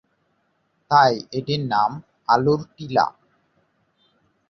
তাই এটির নাম আলুর টিলা